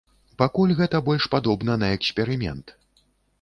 Пакуль гэта больш падобна на эксперымент.